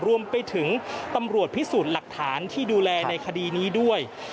รวมไปถึงตำรวจพิสูจน์หลักฐานที่ดูแลในคดีนี้ด้วย